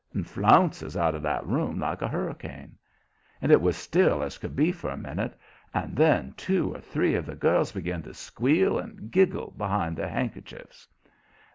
and flounces out of that room like a hurricane. And it was still as could be for a minute, and then two or three of the girls begun to squeal and giggle behind their handkerchiefs.